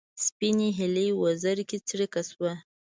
سپینې هیلۍ وزر کې څړیکه شوه